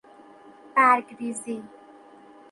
برگ ریزی